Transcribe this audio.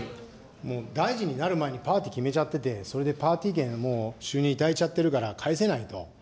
もう大臣になる前にパーティー決めちゃってて、それでパーティー券もう収入、頂いちゃってるから返せないと。